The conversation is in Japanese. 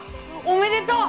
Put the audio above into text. おめでとう！